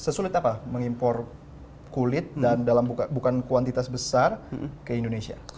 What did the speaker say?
sesulit apa mengimpor kulit dan bukan kuantitas besar ke indonesia